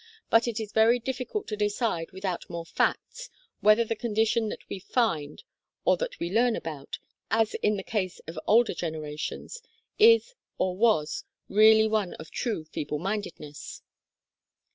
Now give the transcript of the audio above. But it is very difficult to decide without more facts whether the condition that we find or that we learn about, as in the case of older generations, is or was really one of true feeble mindedness.)